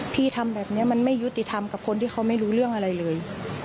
พี่ทำแบบนี้มันไม่ยุติธรรมกับคนที่เขาไม่รู้เรื่องอะไรเลย